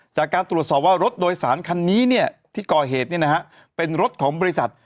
จากการตรวจสอบว่ารถโดยสารคันนี้ที่ก่อเหตุเป็นรถของบริษัท